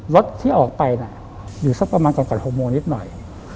รถที่ออกไปน่ะอยู่สักประมาณก่อน๖โมงนิดหน่อย